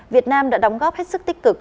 việt nam đã đóng góp hết sức tích cực